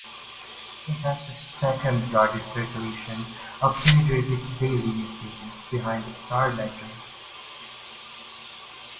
It has the second largest circulation of New Jersey's daily newspapers, behind "The Star-Ledger".